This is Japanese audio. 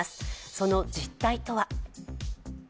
その実態とは。